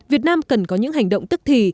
việt nam cần có những hành động tức thì